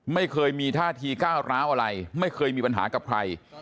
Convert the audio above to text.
ไม่เคยมีท่าทีก้าวร้าวอะไรไม่เคยมีปัญหากับใคร